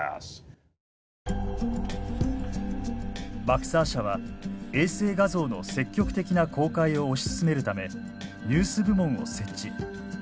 マクサー社は衛星画像の積極的な公開を推し進めるためニュース部門を設置。